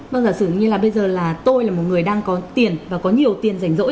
vâng giả sử như là bây giờ là tôi là một người đang có tiền và có nhiều tiền rảnh rỗi